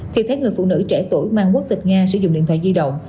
khi thấy người phụ nữ trẻ tuổi mang quốc tịch nga sử dụng điện thoại di động